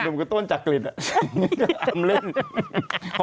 ดมกระต้นจากกลิ่นอ่ะ